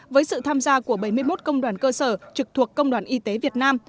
với sự tham gia của bảy mươi một công đoàn cơ sở trực thuộc công đoàn y tế việt nam